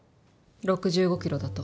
６５キロだと。